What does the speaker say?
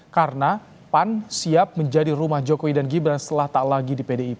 karena pan siap menjadi rumah jokowi dan gibran setelah tak lagi di pdip